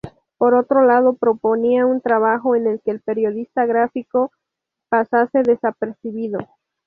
Por otro lado, proponía un trabajo en el que el periodista gráfico pasase desapercibido.